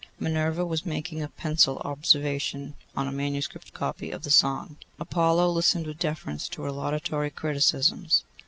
Minerva was making a pencil observation on a manuscript copy of the song: Apollo listened with deference to her laudatory criticisms.